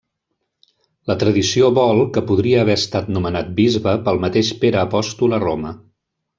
La tradició vol que podria haver estat nomenat bisbe pel mateix Pere apòstol a Roma.